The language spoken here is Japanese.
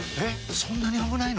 そんなに危ないの？